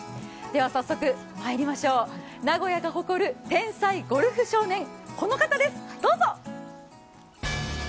早速まいりましょう、名古屋が誇る天才ゴルフ少年、この方ですどうぞ！